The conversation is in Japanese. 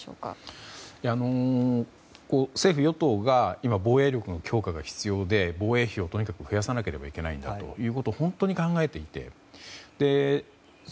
政府・与党が今防衛力の強化が必要で防衛費をとにかく増やさなきゃいけないと本当に考えていて。